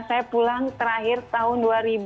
saya pulang terakhir tahun dua ribu delapan belas